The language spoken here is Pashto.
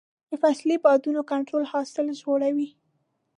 د فصلي بادونو کنټرول حاصل ژغوري.